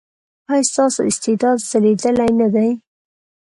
ایا ستاسو استعداد ځلیدلی نه دی؟